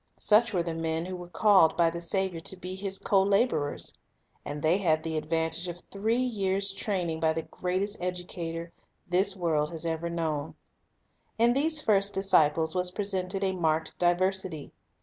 Such were the men who were called by the Saviour to be His co laborers. And they had the advantage of three years' training by the greatest educator this world has ever known. In these first disciples was presented a marked diversity.